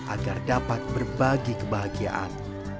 agar dapat berbagi kebahagiaan